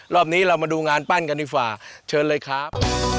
รอบนี้เรามาดูงานปั้นกันดีกว่าเชิญเลยครับ